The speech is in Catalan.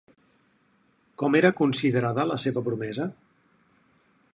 Com era considerada la seva promesa?